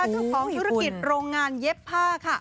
เจ้าของธุรกิจโรงงานเย็บผ้าค่ะ